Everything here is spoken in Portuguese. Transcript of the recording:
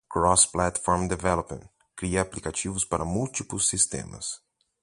Cross-Platform Development cria aplicativos para múltiplos sistemas.